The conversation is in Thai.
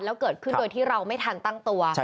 แล้วเกิดขึ้นโดยที่เราไม่ทันตั้งตัว